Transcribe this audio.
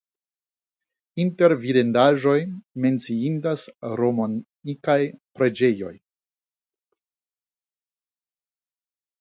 Inter vidindaĵoj menciindas la romanikaj preĝejoj.